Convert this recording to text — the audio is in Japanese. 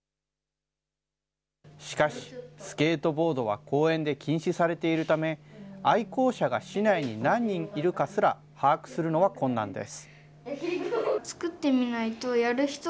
しかし、スケートボードは公園で禁止されているため、愛好者が市内に何人いるかすら把握するのは困難です。